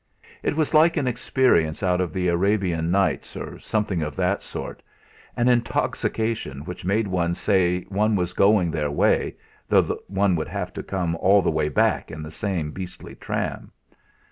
It was like an experience out of the "Arabian Nights," or something of that sort, an intoxication which made one say one was going their way, though one would have to come all the way back in the same beastly tram.